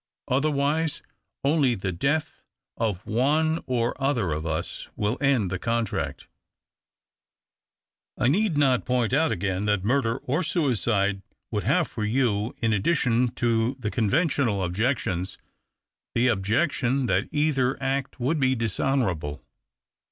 Otherwise only the death of one or other of us will end the contract. I need not point out again that murder or suicide would have for you — in addition to THE OCTAVE OF CLAUDIUS. 219 the coiiveiitioiial objections — the objection that either act would be dishonourable.